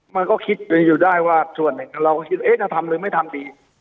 มันก็คิดอยู่ได้ว่าส่วนหนึ่งเราก็คิดว่าจะทำหรือไม่ทำดี